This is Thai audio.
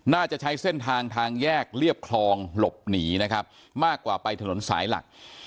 น่าจะใช้เส้นทางทางแยกเรียบคลองหลบหนีนะครับมากกว่าไปถนนสายหลัก